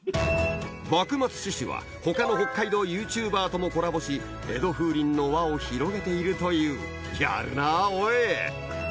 幕末志士は他の北海道ＹｏｕＴｕｂｅｒともコラボし江戸風鈴の輪を広げているというやるなおい！